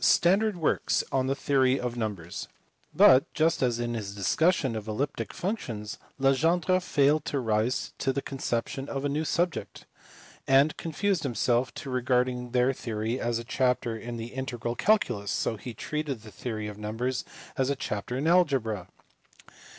455 standard works on the theory of numbers ; but, just as in his discussion of elliptic functions Legendre failed to rise to the conception of a new subject, and confined him self to regarding their theory as a chapter in the integral calculus, so he treated the theory of numbers as a chapter in algebra.